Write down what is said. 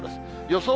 予想